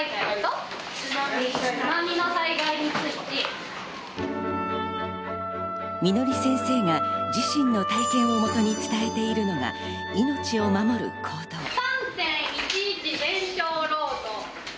季先生が自身の体験をもとに伝えているのが、命を守る行動。